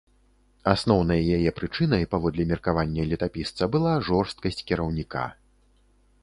Асноўнай яе прычынай, паводле меркавання летапісца, была жорсткасць кіраўніка.